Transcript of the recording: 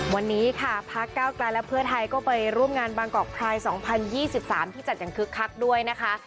วันนี้ค่ะพักเก้าไกลและเพื่อไทยก็ไปร่วมงานบางกอกคลาย๒๐๒๓ที่จัดอย่างคึกคักด้วยนะคะ